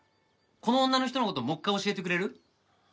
この女の人の事もう一回教えてくれる？